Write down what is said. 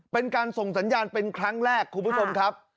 เป็นการส่งสัญญาณเป็นครั้งแรกคุณผู้ชมครับ